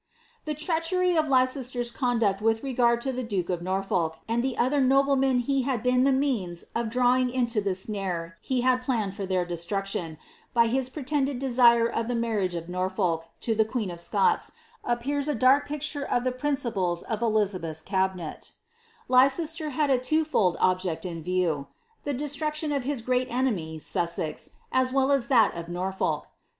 ' The treachery of Leicester's conduct with regard to the duke of] folk, and the other noblemen he had been the means of drawing the snare he had plsnneil for their destruction, by his pretended d of the marriage of Norfolk to Ihe queen of Scots, appears a dark pii of the principles of Elizabeth's cabmet Leicester had a twofold o in view — the destruction of his great enemy, Sussex, as well as th Norfolk.